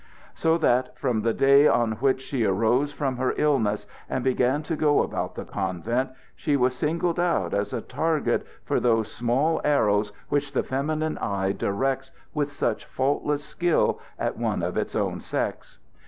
So that from the day on which she arose from her illness and began to go about the convent, she was singled out as a target for those small arrows which the feminine eye directs with such faultless skill at one of its own sex.